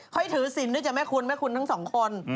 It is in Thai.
ค่อยถือสินนึกจะไม่คุ้นไม่คุ้นทั้งสองคน